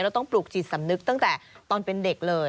แล้วต้องปลูกจิตสำนึกตั้งแต่ตอนเป็นเด็กเลย